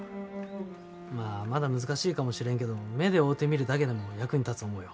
まあまだ難しいかもしれんけど目で追おてみるだけでも役に立つ思うよ。